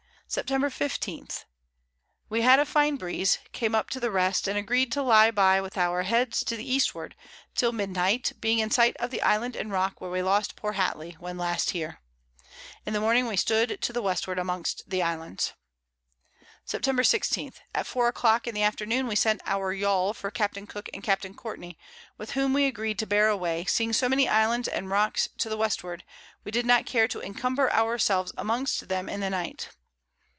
Sept. 15. We had a fine Breeze, came up to the rest, and agreed to lye by with our Heads to the Eastward, till Midnight, being in sight of the Island and Rock where we lost poor Hattley, when last here. In the Morning we stood to the Westward amongst the Islands. [Sidenote: Departure from the Gallapagos Islands.] Sept. 16. At 4 a Clock in the Afternoon we sent our Yawl for Capt. Cooke and Capt. Courtney, with whom we agreed to bear away, seeing so many Islands and Rocks to the Westward, we did not care to incumber our selves amongst them in the Night.